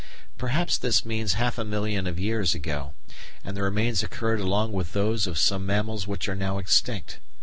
Perhaps this means half a million years ago, and the remains occurred along with those of some mammals which are now extinct.